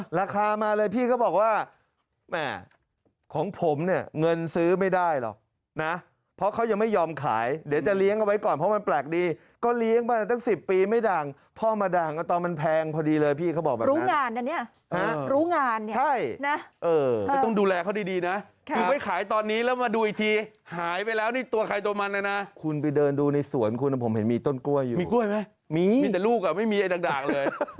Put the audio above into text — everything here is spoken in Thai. หรือหรือหรือหรือหรือหรือหรือหรือหรือหรือหรือหรือหรือหรือหรือหรือหรือหรือหรือหรือหรือหรือหรือหรือหรือหรือหรือหรือหรือหรือหรือหร